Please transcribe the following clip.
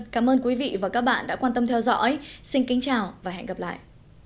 cảm ơn các bạn đã theo dõi